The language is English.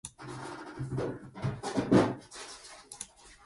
The controversial war was fodder for many protest songs in the punk movement.